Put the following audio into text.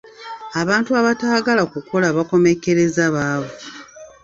Abantu abataagala kukola bakomekkereza baavu.